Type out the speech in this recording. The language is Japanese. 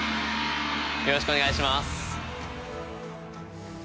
よろしくお願いします。